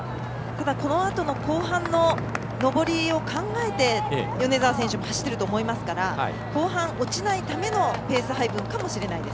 このあとの後半の上りを考えて米澤選手も走ってると思いますから後半、落ちないためのペース配分かもしれないです。